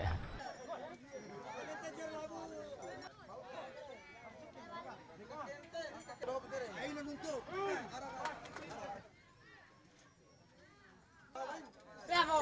sebentar keluar dulu